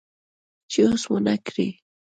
چې هوس ونه کړي